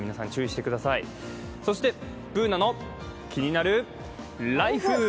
そして「ＢｏｏｎａのキニナルＬＩＦＥ」。